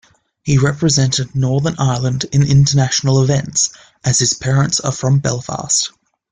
He represented Northern Ireland in international events, as his parents are from Belfast.